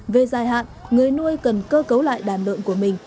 về dài hạn người nuôi cần cơ cấu lại đàn lợn của mình